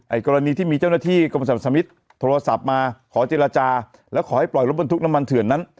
กรณีที่มีเจ้าหน้าที่กรมสรรพสมิตรโทรศัพท์มาขอเจรจาแล้วขอให้ปล่อยรถบรรทุกน้ำมันเถื่อนนั้น